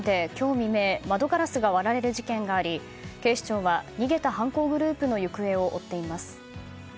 未明窓ガラスが割られる事件があり警視庁は逃げた犯行グループの行方を追っています。